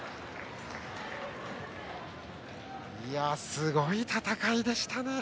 すごい戦いでしたね。